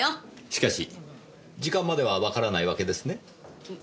しかし時間まではわからないわけですね。